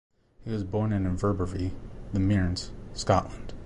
He was born in Inverbervie, the Mearns, Scotland.